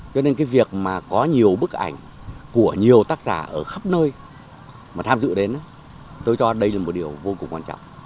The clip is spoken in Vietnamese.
cho nên cái việc mà có nhiều bức ảnh của nhiều tác giả ở khắp nơi mà tham dự đến tôi cho đây là một điều vô cùng quan trọng